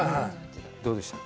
どうでした？